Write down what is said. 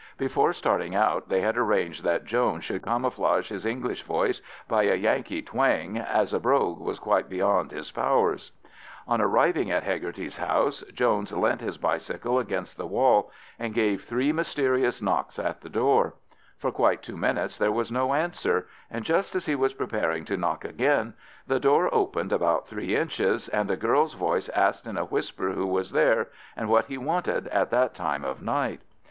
Before starting out they had arranged that Jones should camouflage his English voice by a Yankee twang, as a brogue was quite beyond his powers. On arriving at Hegarty's house, Jones leant his bicycle against the wall, and gave three mysterious knocks at the door. For quite two minutes there was no answer, and just as he was preparing to knock again, the door opened about three inches, and a girl's voice asked in a whisper who was there, and what he wanted at that time of night.